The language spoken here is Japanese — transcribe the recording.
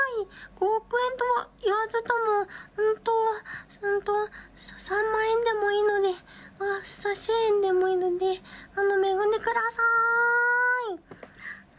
５億円とは言わずとも、本当は、本当は、３万円でもいいので、１０００円でもいいので、恵んでくださーい。